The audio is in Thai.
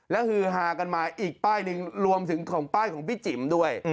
แล้วฮือฮากันมาอีกป้ายหนึ่งรวมถึงของป้ายของพี่จิ๋มด้วย